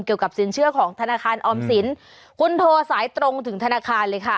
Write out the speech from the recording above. สินเชื่อของธนาคารออมสินคุณโทรสายตรงถึงธนาคารเลยค่ะ